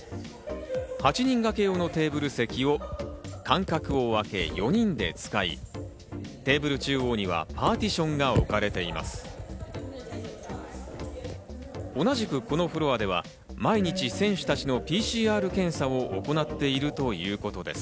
８人掛け用のテーブル席を間隔をあけ４人で使い、テーブル中央にはパーティションが置かれています。